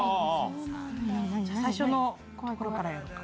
最初のところからやろうか。